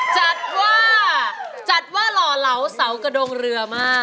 จัดว่าจัดว่าหล่อเหลาเสากระดงเรือมาก